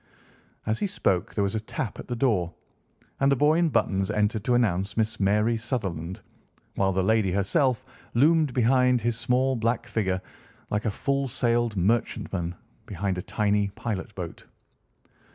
As he spoke there was a tap at the door, and the boy in buttons entered to announce Miss Mary Sutherland, while the lady herself loomed behind his small black figure like a full sailed merchant man behind a tiny pilot boat.